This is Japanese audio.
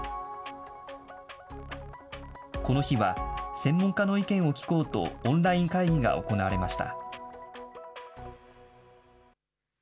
この日は専門家の意見を聞こうと、オンライン会議が行われました。